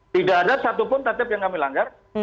tidak ada satu pun tatip yang kami langgar